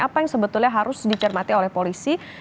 apa yang sebetulnya harus dicermati oleh polisi